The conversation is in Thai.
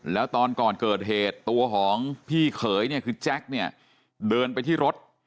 แล้วตอนก่อนเกิดเหตุตัวของพี่เขยเนี่ยคือแจ็คเนี่ยเดินไปที่รถ